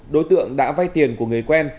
đối tượng đã vay tiền của người quen